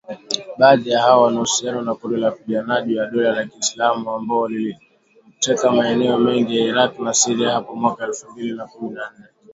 Baadhi ya hao wana uhusiano na kundi la wapiganaji wa Dola la kiislamu ambalo liliteka maeneo mengi ya Iraq na Syria hapo mwaka elfu mbili na kumi na nne